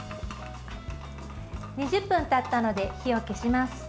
２０分たったので火を消します。